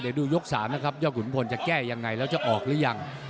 เดี๋ยวดูยก๓นะครับยอดขุนพลจะแก้ยังไงแล้วจะออกหรือยัง